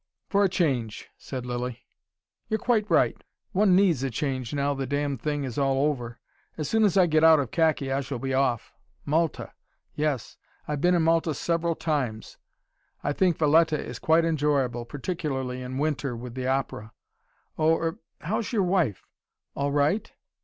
"For a change," said Lilly. "You're quite right, one needs a change now the damned thing is all over. As soon as I get out of khaki I shall be off. Malta! Yes! I've been in Malta several times. I think Valletta is quite enjoyable, particularly in winter, with the opera. Oh er how's your wife? All right?